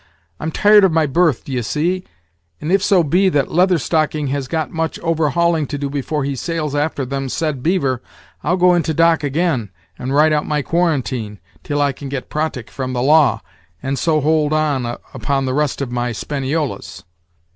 I'm tired of my berth, d'ye see, and if so be that Leather Stocking has got much overhauling to do before he sails after them said beaver I'll go into dock again, and ride out my quarantine, till I can get prottick from the law, and so hold on upon the rest of my 'spaniolas."